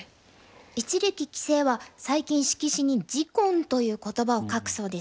一力棋聖は最近色紙に「而今」という言葉を書くそうです。